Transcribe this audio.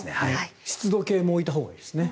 湿度計も置いたほうがいいですね。